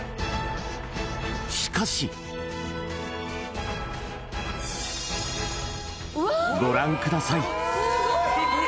しかしご覧ください